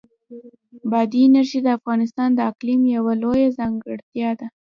بادي انرژي د افغانستان د اقلیم یوه لویه ځانګړتیا ده.